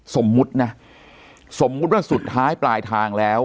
สมมุตินะสมมุติว่าสุดท้ายปลายทางแล้ว